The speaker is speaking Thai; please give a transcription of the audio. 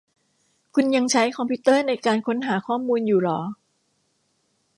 คุณยังใช้คอมพิวเตอร์ในการค้นหาข้อมูลอยู่หรอ